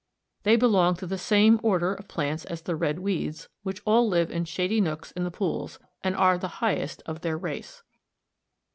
They belong to the same order of plants as the red weeds, which all live in shady nooks in the pools, and are the highest of their race.